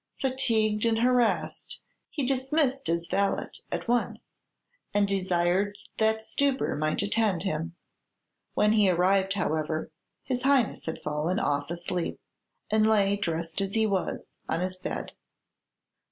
Fatigued and harassed, he dismissed his valet at once, and desired that Stubber might attend him. When he arrived, however, his Highness had fallen off asleep, and lay, dressed as he was, on his bed.